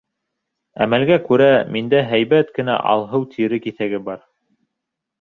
Әмәлгә күрә, миндә һәйбәт кенә алһыу тире киҫәге бар.